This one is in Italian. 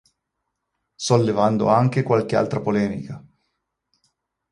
Sollevando anche qualche altra polemica.